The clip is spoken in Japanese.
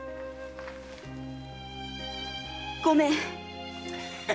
ごめん！